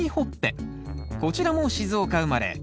こちらも静岡生まれ。